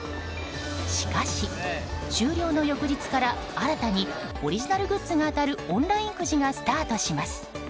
しかし、終了の翌日から新たにオリジナルグッズが当たるオンラインくじがスタートします。